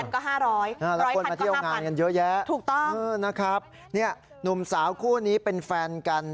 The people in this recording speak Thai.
๑๐๐๐๐๐ก็๕๐๐๐บาทถูกต้องแล้วคนมาเที่ยวงานกันเยอะแยะนะครับนี่หนุ่มสาวคู่นี้เป็นแฟนกัน